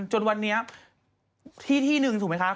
จนวันนี้ที่ที่หนึ่งถูกไหมคะ